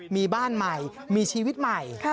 มีบ้านใหม่มีชีวิตใหม่